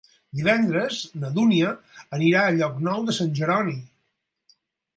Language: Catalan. Divendres na Dúnia anirà a Llocnou de Sant Jeroni.